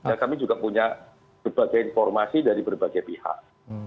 ya kami juga punya berbagai informasi dari berbagai pihak